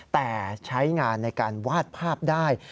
แต่ใช้งานในการวาดภาพได้